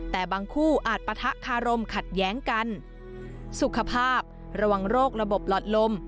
แต่บางคู่อาจปะทะคารมขัดแย้งกันสุขภาพระวังโรคระบบหลอดลม